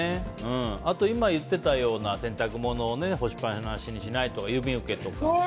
あと今言ってたような洗濯物を干しっぱなしにしないとか郵便受けとか。